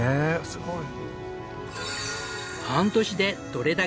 すごい。